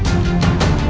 tidak ada yang bisa dihukum